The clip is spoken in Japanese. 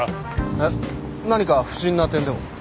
えっ何か不審な点でも？